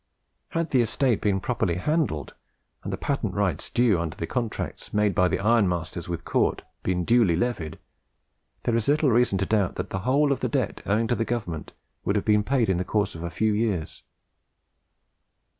Had the estate been properly handled, and the patent rights due under the contracts made by the ironmasters with Cort been duly levied, there is little reason to doubt that the whole of the debt owing to the Government would have been paid in the course of a few years.